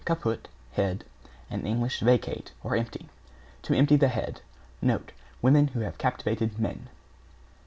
caput, head, and Eng. vacate, or empty, to empty the head. Note, Women who have captivated men.